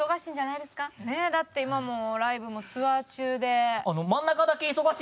ねえ？だって今もうライブもツアー中で。